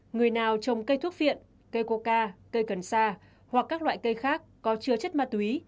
người nào trồng cây thuốc viện cây coca cây cần xa hoặc các loại cây khác có chứa chất ma túy